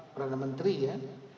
perdana menteri ya